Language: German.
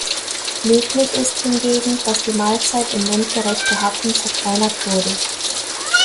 Löblich ist hingegen, dass die Mahlzeit in mundgerechte Happen zerkleinert wurde.